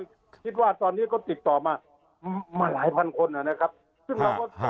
ผมคิดว่าตอนนี้ก็ติดต่อมามาหลายพันคนนะครับซึ่งเราก็